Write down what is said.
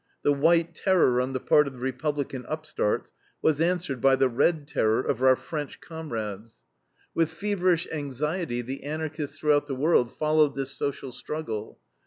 The white terror on the part of the Republican upstarts was answered by the red terror of our French comrades. With feverish anxiety the Anarchists throughout the world followed this social struggle.